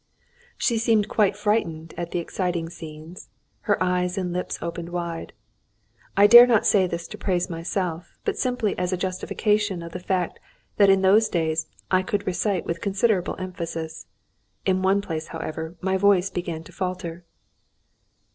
She seemed quite frightened at the exciting scenes, her eyes and lips opened wide. I do not say this to praise myself, but simply as a justification of the fact that in those days I could recite with considerable emphasis. In one place, however, my voice began to falter.